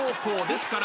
ですから。